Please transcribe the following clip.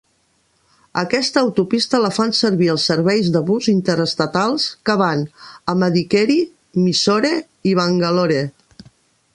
Aquesta autopista la fan servir els serveis de bus interestatals que van a Madikeri, Mysore i Bangalore.